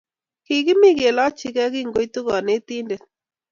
Kigimi kelochige kingoitu kanetindet